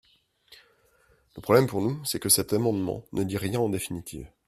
Le problème, pour nous, c’est que cet amendement ne dit rien en définitive.